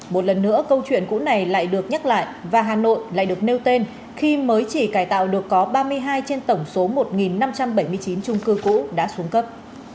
một lần nữa câu chuyện cũ này lại được nhắc lại và hà nội lại được nêu tên khi mới chỉ cải tạo được có ba mươi hai trên tổng số một năm trăm bảy mươi chín trung cư cũ đã xuống cấp